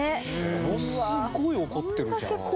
ものすごい怒ってるじゃんって。